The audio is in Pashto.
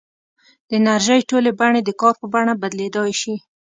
د انرژۍ ټولې بڼې د کار په بڼه بدلېدای شي.